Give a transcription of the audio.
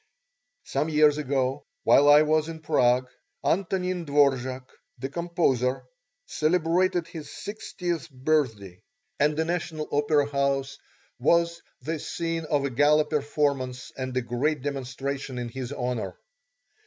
Some years ago, while I was in Prague, Antonin Dvorák, the composer, celebrated his sixtieth birthday, and the National Opera house was the scene of a gala performance and a great demonstration in his honour.